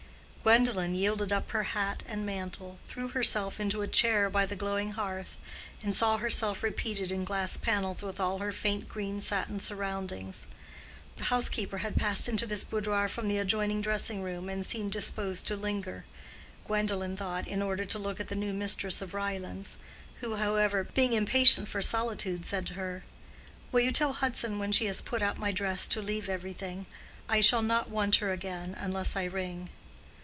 Gwendolen, yielded up her hat and mantle, threw herself into a chair by the glowing hearth, and saw herself repeated in glass panels with all her faint green satin surroundings. The housekeeper had passed into this boudoir from the adjoining dressing room and seemed disposed to linger, Gwendolen thought, in order to look at the new mistress of Ryelands, who, however, being impatient for solitude said to her, "Will you tell Hudson when she has put out my dress to leave everything? I shall not want her again, unless I ring."